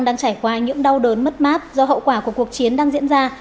những đau đớn mất mát do hậu quả của cuộc chiến đang diễn ra